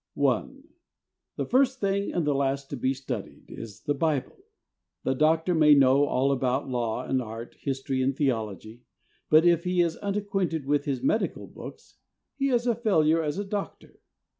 I. — The first thing and the last to be studied is the Bible. The doctor may know all about law and art, history and theology, but if he is unacquainted with his medical books he is a failure as a doctor.